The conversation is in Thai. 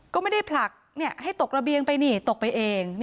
ก็ไม่ได้ผลักให้ตกระเบียงไปนี่ตกไปเอง